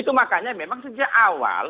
itu makanya memang sejak awal